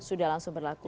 sudah langsung berlaku